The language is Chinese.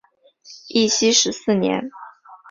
义熙十四年。